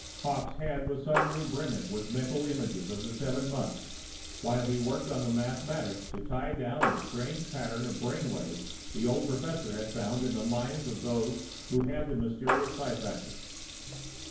Hawkes' head was suddenly brimming with mental images of the seven months, while he worked on the mathematics to tie down the strange pattern of brain waves the old professor had found in the minds of those who had the mysterious psi factor.